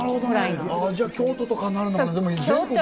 じゃあ、京都とかになるのかな？